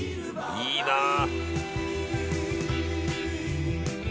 「いいなあ！」